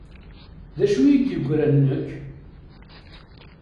D acu i yi-d-yegren nekk?